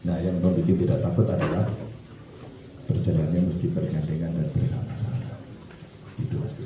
nah yang membuat tidak takut adalah perjalanan yang harus diperingati dengan dan bersama sama